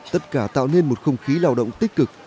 tất cả tạo nên một không khí lao động tích cực